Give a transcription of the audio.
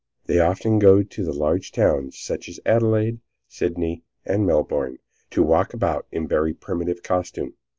They often go to the large towns, such as Adelaide, Sydney and Melbourne, and walk about in very primitive costume.